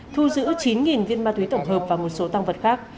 thu giữ chín viên ma túy tổng hợp và một số tăng vật khác